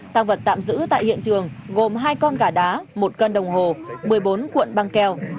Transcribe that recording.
tăng vật tạm giữ tại hiện trường gồm hai con gà đá một cân đồng hồ một mươi bốn cuộn băng keo